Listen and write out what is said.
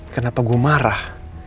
kenapa gue marah